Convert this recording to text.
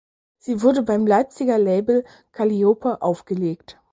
Sie wurden beim Leipziger Label Kalliope aufgelegt.